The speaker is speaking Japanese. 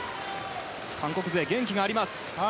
韓国勢、元気があります。